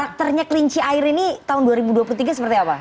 karakternya kelinci air ini tahun dua ribu dua puluh tiga seperti apa